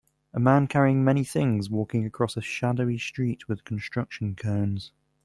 A man carrying many things walking across a shadowy street with construction cones.